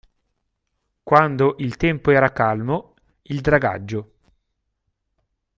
Quando il tempo era calmo, il dragaggio.